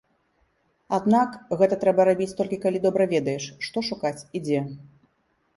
Аднак, гэта трэба рабіць толькі калі добра ведаеш, што шукаць і дзе.